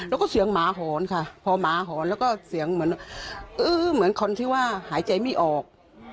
แล้วก็เสียงหมาหอนพอหมาหอนเสียงเหมือนคนที่ว่าหายใจไม่ออก